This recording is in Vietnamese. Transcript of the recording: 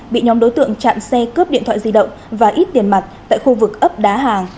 bị nhóm đối tượng chặn xe cướp điện thoại di động và ít tiền mặt tại khu vực ấp đá hàng